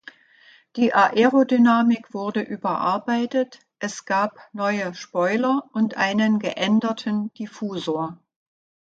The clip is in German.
Die Aerodynamik wurde überarbeitet: es gab neue Spoiler und einen geänderten Diffusor.